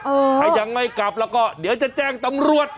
ถ้ายังไม่กลับแล้วก็เดี๋ยวจะแจ้งตำรวจ